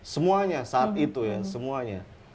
semuanya saat itu ya semuanya